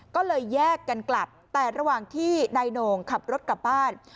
ก็เลยแยกกันกลับแต่ระหว่างที่นายโหน่งขับรถกลับบ้าน